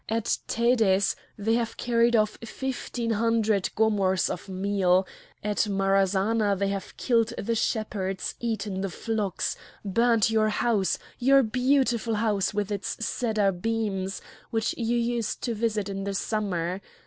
At Tedes they have carried off fifteen hundred gomors of meal; at Marrazana they have killed the shepherds, eaten the flocks, burnt your house—your beautiful house with its cedar beams, which you used to visit in the summer!